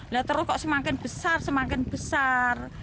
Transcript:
lah terus kok semakin besar semakin besar